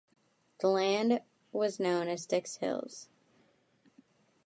The land was known as Dick's Hills.